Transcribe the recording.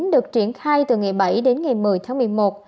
được triển khai từ ngày bảy đến ngày một mươi tháng một mươi một